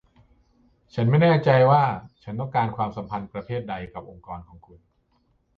ฉันไม่แน่ใจว่าฉันต้องการความสัมพันธ์ประเภทใดกับองค์กรของคุณ